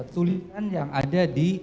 tulisan yang ada di